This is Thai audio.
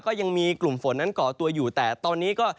ก็ยังมีกลุ่มฝนนั้นก่อตัวอยู่แต่ตอนนี้ก็